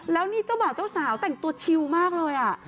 แล้วนี่เจ้าบ่าวเจ้าสาวแต่งตัวชิวมากเลย